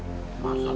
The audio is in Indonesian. ya pak haji